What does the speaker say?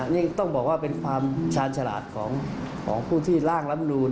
นี่ต้องบอกว่าเป็นความชาญฉลาดของผู้ที่ร่างลำนูน